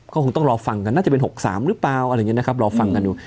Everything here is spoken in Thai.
ก็คงต้องรอฟังกันน่าจะเป็น๖๓หรือเปล่าอะไรอย่างนี้นะครับรอฟังกันอยู่